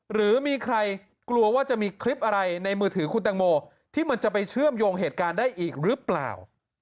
หรือมีใครกลัวว่าจะมีคลิปอะไรในมือถือคุณแตงโมที่มันจะไปเชื่อมโยงเหตุการณ์ได้อีกหรือเปล่า